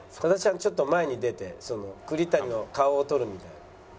ちょっと前に出て栗谷の顔を撮るみたいな。